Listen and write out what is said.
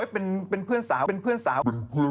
เป็นเพื่อนสาวเป็นเพื่อนสาว